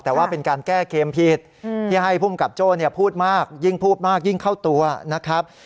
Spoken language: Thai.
แต่ว่าเป็นการแก้เคมผิดที่ให้ภูมิกับโจ้พูดมากยิ่งพูดมากยิ่งเข้าตัวนะครับ